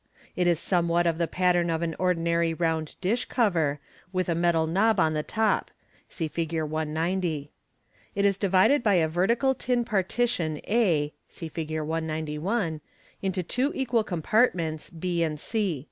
It is somewhat of the pattern of an ordinary round dish cover, with a metal knob on the top. (See Fig. 190.) It is divided by a vertical tin partition a {see Fig. 191), into two equal compart ments, b and c.